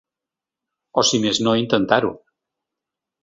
O si més no intentar-ho.